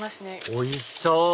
おいしそう！